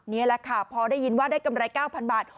นี่แหละค่ะพอได้ยินว่าได้กำไร๙๐๐บาท